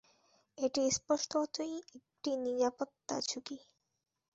এটি স্পষ্টতই একটি নিরাপত্তা ঝুঁকি।